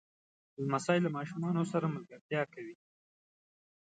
لمسی له ماشومانو سره ملګرتیا کوي.